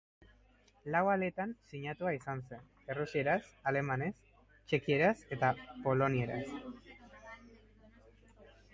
Lau aletan sinatua izan zen, errusieraz, alemanez, txekieraz eta polonieraz.